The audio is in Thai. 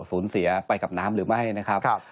สูญเสียไปกับน้ำหรือไม่นะครับ